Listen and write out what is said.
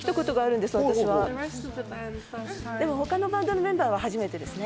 でも、他のバンドのメンバーは初めてですね。